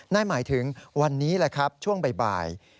นั่นหมายถึงวันนี้แหละครับช่วงบ่าย